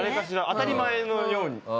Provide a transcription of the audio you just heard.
当たり前のように。